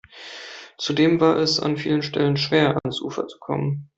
Zudem war es an vielen Stellen schwer, ans Ufer zu kommen.